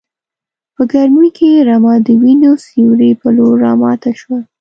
په ګرمۍ کې رمه د وینې سیوري په لور راماته شوه.